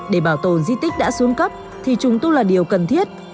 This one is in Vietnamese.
để bảo tồn di tích đã xuống cấp thì trùng tu là điều cần thiết